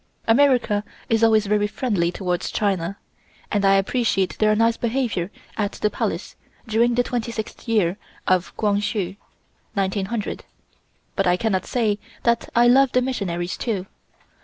America is always very friendly towards China, and I appreciate their nice behavior at the Palace during the twenty sixth year of Kwang Hsu (1900), but I cannot say that I love the missionaries, too.